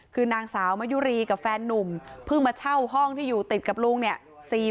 คือนางสาวมะยุรีกับแฟนนุ่มเพิ่งมาเช่าห้องที่อยู่ติดกับลุงเนี่ย